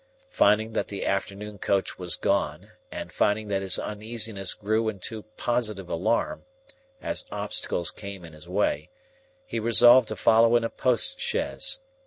Finding that the afternoon coach was gone, and finding that his uneasiness grew into positive alarm, as obstacles came in his way, he resolved to follow in a post chaise.